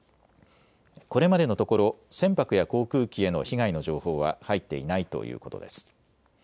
これまでのところ船舶や航空機への被害の情報は入っていないということです。